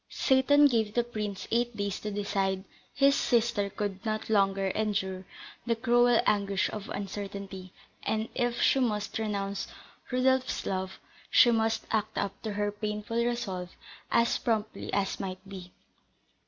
Seyton gave the prince eight days to decide; his sister could not longer endure the cruel anguish of uncertainty, and, if she must renounce Rodolph's love, she must act up to her painful resolve as promptly as might be.